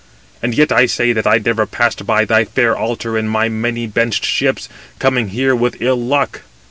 And yet I say that I never passed by thy fair altar in my many benched ship, coming here with ill luck.